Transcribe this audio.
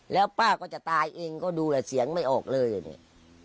แล้วป้าก็จะตายเองก็ดูแหละเสียงไม่ออกเลยเนี่ย